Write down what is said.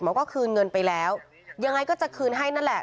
ก็คืนเงินไปแล้วยังไงก็จะคืนให้นั่นแหละ